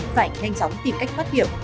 phải nhanh chóng tìm cách thoát hiểm